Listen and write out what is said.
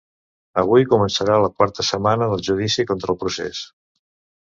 Avui començarà la quarta setmana del judici contra el procés.